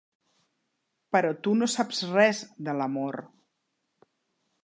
Però tu no saps res de l'amor.